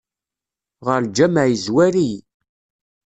Ɣer lǧameɛ yezwar-iyi.